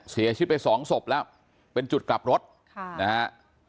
เสียชีวิตไปสองศพแล้วเป็นจุดกลับรถค่ะนะฮะ